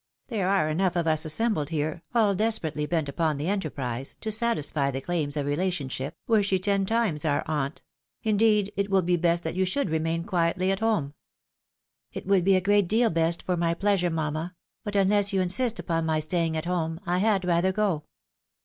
There are enough of us assembled here, all desperately bent upon the enterprise, to satisfy the claims of relationship, were she ten times our aunt ; indeed, it will be best that you should remaia quietly at home." " It would be a great deal best for my pleasure, mamma ; but, unless you insist upon my staying at home, I had rather go."